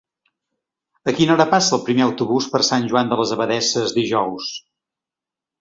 A quina hora passa el primer autobús per Sant Joan de les Abadesses dijous?